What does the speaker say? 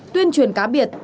tuyên truyền cá biệt